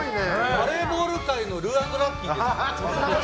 バレーボール界のルー＆ラッキィですよ。